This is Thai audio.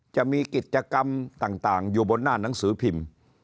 จะมีกิจกรรมต่างอยู่บนหน้าหนังสือพิมพ์